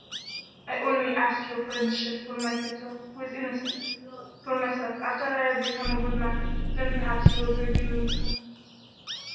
I only ask your friendship for my Tato, who is innocent. For myself, after I have become a good man, then perhaps you will forgive me, too."